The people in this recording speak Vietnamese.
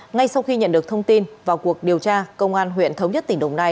ngay sau khi nhận được thông tin vào cuộc điều tra công an huyện thống nhất tỉnh đồng nai